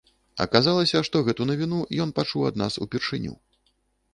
Аказалася, што гэту навіну ён пачуў ад нас упершыню.